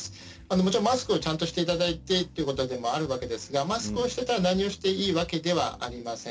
もちろんマスクをちゃんとしていただいてということでもあるんですが、マスクをしていたら何をしてもいいわけではありません。